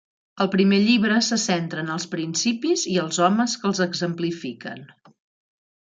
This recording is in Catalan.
El primer llibre se centra en els principis i els homes que els exemplifiquen.